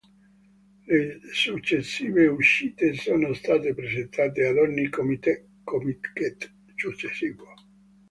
Le successive uscite sono state presentate ad ogni Comiket successivo.